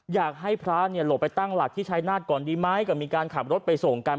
อยากให้พระเนี่ยหลบไปตั้งหลักที่ชายนาฏก่อนดีไหมก็มีการขับรถไปส่งกัน